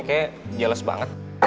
kayak jeles banget